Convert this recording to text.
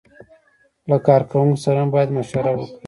له کارکوونکو سره هم باید مشوره وکړي.